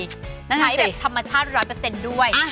ใช้แบบธรรมชาติ๑๐๐ด้วย